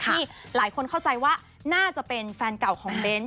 ที่หลายคนเข้าใจว่าน่าจะเป็นแฟนเก่าของเบ้น